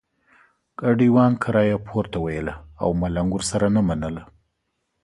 ګاډیوان کرایه پورته ویله او ملنګ ورسره نه منله.